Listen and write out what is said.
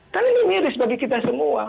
karena ini miris bagi kita semua